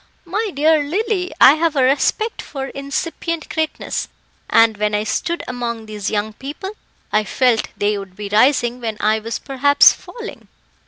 My dear Lily, I have a respect for incipient greatness, and when I stood among these young people, I felt they would be rising when I was perhaps falling."